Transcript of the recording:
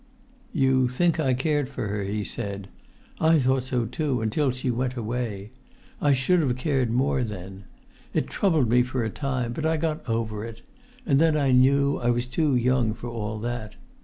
"You think I cared for her," he said. "I thought so, too, until she went away. I should have cared more then! It troubled me for a time; but I got over it; and then I knew I was too young for all that.